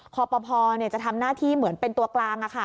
คอปภจะทำหน้าที่เหมือนเป็นตัวกลาง